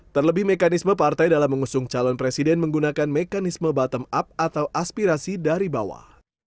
terlebih mekanisme partai dalam mengusung calon presiden menggunakan mekanisme bottom up atau aspirasi dari bawah